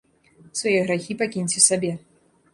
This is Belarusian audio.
Свае грахі пакіньце сабе.